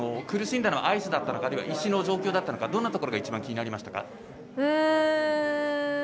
苦しんだのはアイスだったのか石の状況だったのかどんなところが一番気になりましたか。